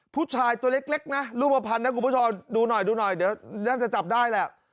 ผู้ชายตัวเล็กนะรูปภัณฑ์นะคุณผู้ชมดูหน่อยดูหน่อยเดี๋ยวท่านจะจับได้แหละ